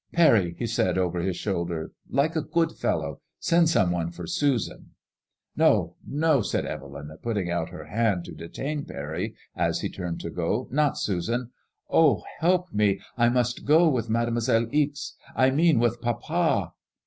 Parry," he said, over his shoulder, 'Mike a good fellow, send some one for Susan" Z64 MAD£MOIS£LL£ IXK. " No, no," said Evelyn, putting out her hand to detain Parry as he turned to go, not Susan. Oh, help me! T must go with Mademoiselle Ixe — I mean with papa."